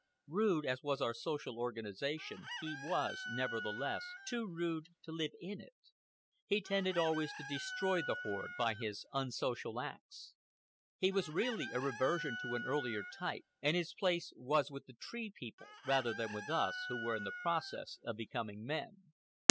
Rude as was our social organization, he was, nevertheless, too rude to live in it. He tended always to destroy the horde by his unsocial acts. He was really a reversion to an earlier type, and his place was with the Tree People rather than with us who were in the process of becoming men.